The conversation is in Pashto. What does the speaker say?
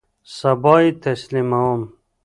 سبا یی تسلیموم